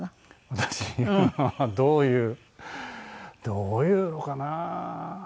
私はどういうどういうのかな？